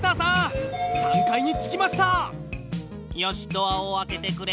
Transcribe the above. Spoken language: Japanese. ドアを開けてくれ。